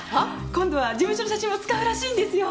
今度は事務所の写真も使うらしいんですよ。